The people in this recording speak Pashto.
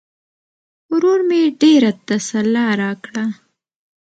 ورور مې ډېره تسلا راکړه.